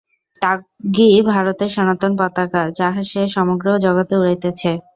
ত্যাগই ভারতের সনাতন পতাকা, যাহা সে সমগ্র জগতে উড়াইতেছে।